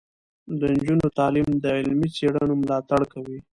د نجونو تعلیم د علمي څیړنو ملاتړ کوي.